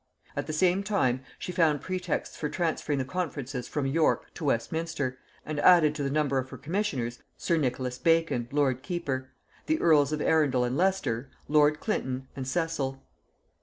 At the same time she found pretexts for transferring the conferences from York to Westminster, and added to the number of her commissioners sir Nicholas Bacon, lord keeper, the earls of Arundel and Leicester, lord Clinton, and Cecil.